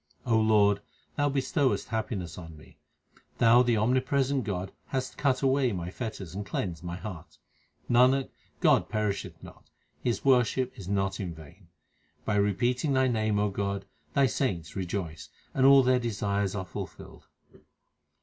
Lord, Thou bestowest happiness on me ; Thou the omnipresent God hast cut away my fetters and cleansed my heart. Nanak, God perisheth not His worship is not in vain. By repeating Thy name, O God, Thy saints rejoice, And all their desires are fulfilled.